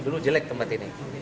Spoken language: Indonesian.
dulu jelek tempat ini